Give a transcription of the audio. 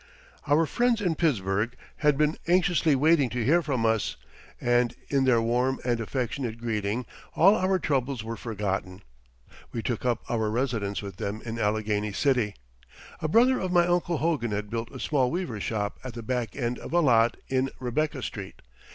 Our friends in Pittsburgh had been anxiously waiting to hear from us, and in their warm and affectionate greeting all our troubles were forgotten. We took up our residence with them in Allegheny City. A brother of my Uncle Hogan had built a small weaver's shop at the back end of a lot in Rebecca Street.